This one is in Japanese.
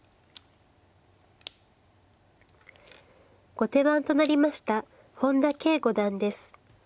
後手番となりました本田奎五段です。